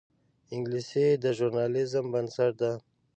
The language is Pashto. انګلیسي د ژورنالیزم بنسټ ده